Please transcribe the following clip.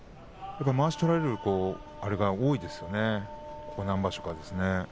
まわし取られる相撲が多いですよね、ここ何場所か。